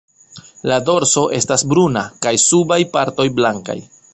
La dorso estas bruna kaj subaj partoj blankaj.